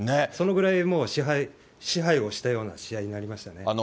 そのぐらい、もう支配をしたような、試合になりましたね。